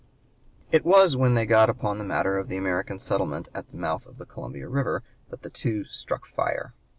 It was when they got upon the matter of the American settlement at the mouth of the Columbia River, that the two struck fire.